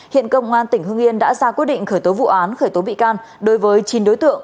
hiện công an tỉnh hương yên đã ra quyết định khởi tố vụ án khởi tố bị can đối với chín đối tượng